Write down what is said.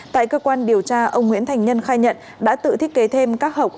tại cơ quan điều tra ông nguyễn thành nhân khai nhận đã tự thiết kế thêm các hộp